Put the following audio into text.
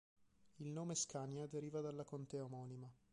Il nome Scania deriva dalla contea omonima.